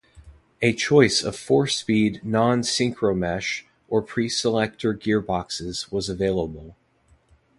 A choice of four speed non-synchromesh or pre-selector gearboxes was available.